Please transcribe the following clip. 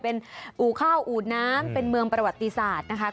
เป็นอู่ข้าวอูดน้ำเป็นเมืองประวัติศาสตร์นะคะ